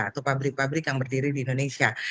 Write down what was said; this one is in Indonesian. atau pabrik pabrik yang berdiri di indonesia